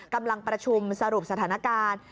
กำลังประชุมสรุปสถานการณ์